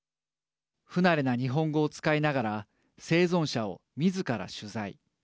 不慣れな日本語を使いながら生存者をみずから取材。